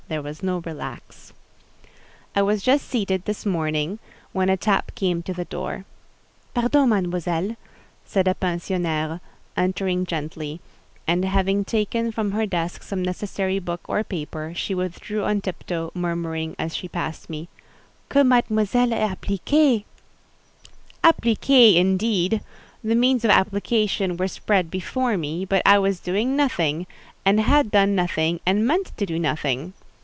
there was no relax. I was just seated this morning, when a tap came to the door. "Pardon, Mademoiselle," said a pensionnaire, entering gently; and having taken from her desk some necessary book or paper, she withdrew on tip toe, murmuring as she passed me, "Que mademoiselle est appliquée!" Appliquée, indeed! The means of application were spread before me, but I was doing nothing; and had done nothing, and meant to do nothing.